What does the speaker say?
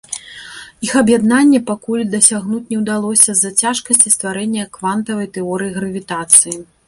Іх аб'яднання пакуль дасягнуць не ўдалося з-за цяжкасцей стварэння квантавай тэорыі гравітацыі.